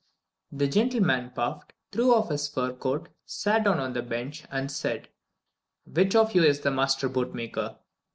The gentleman puffed, threw off his fur coat, sat down on the bench, and said, "Which of you is the master bootmaker?"